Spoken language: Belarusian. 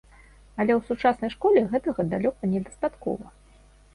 Але ў сучаснай школе гэтага далёка недастаткова.